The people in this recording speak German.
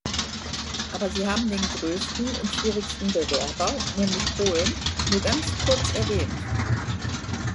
Aber Sie haben den größten und schwierigsten Bewerber, nämlich Polen, nur ganz kurz erwähnt.